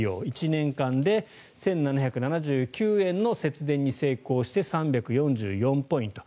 １年間で１７７９円の節電に成功して３４４ポイント。